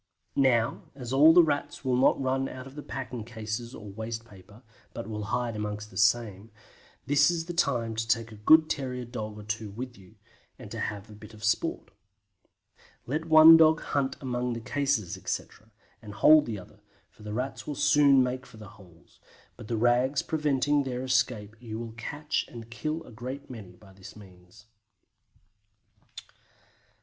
Now as all the Rats will not run out of the packing cases or waste paper, but will hide amongst the same, this is the time to take a good terrier dog or two with you, and to have a bit of sport. Let one dog hunt among the cases, etc., and hold the other, for the Rats will soon make for the holes, but the rags preventing their escape you will catch and kill a great many by this means.